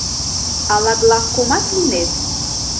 — Ала главкомат лийнет?